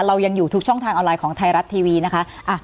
เรายังอยู่ทุกช่องทางออนไลน์ของไทยรัฐทีวีนะคะ